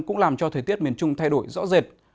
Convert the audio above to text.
cũng làm cho thời tiết miền trung thay đổi rõ rệt